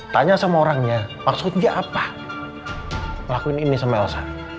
tanya sama orangnya maksudnya apa melakuin ini sama elsa